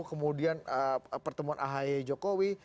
kemudian pertemuan ahy jokowi